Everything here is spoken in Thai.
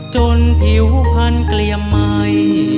จนผิวพันเกลี่ยมใหม่